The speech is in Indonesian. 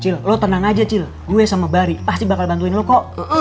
cil lo tenang aja cil gue sama bari pasti bakal bantuin lo kok